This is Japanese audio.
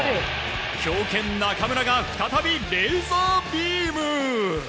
強肩、中村が再びレーザービーム。